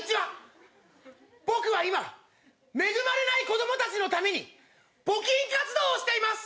僕は今恵まれない子供たちのために募金活動をしています。